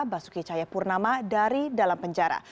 basuki cahaya purnama dari dalam penjara